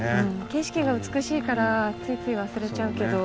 景色が美しいからついつい忘れちゃうけど。